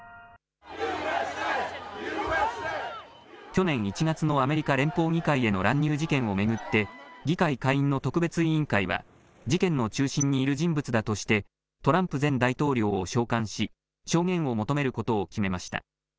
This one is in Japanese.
去年１月のアメリカ連邦議会への乱入事件を巡って、議会下院の特別委員会は、事件の中心にいる人物だとして、トランプ前大統領を召喚し、証言を求めることを決めました。